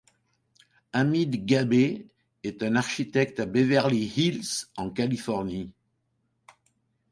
Hamid Gabbay est un architecte à Beverly Hills, en Californie.